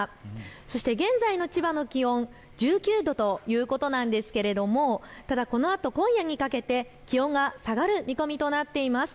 そして現在の千葉の気温１９度ということなんですがただこのあと今夜にかけて気温が下がる見込みとなっています。